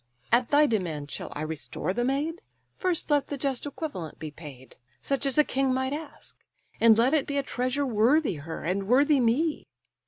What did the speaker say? At thy demand shall I restore the maid? First let the just equivalent be paid; Such as a king might ask; and let it be A treasure worthy her, and worthy me.